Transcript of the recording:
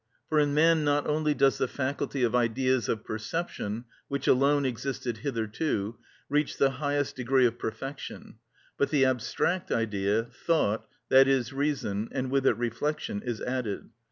For in man not only does the faculty of ideas of perception, which alone existed hitherto, reach the highest degree of perfection, but the abstract idea, thought, i.e., reason, and with it reflection, is added.